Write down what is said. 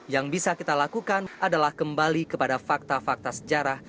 yang bisa kita lakukan adalah kembali kepada fakta fakta sejarah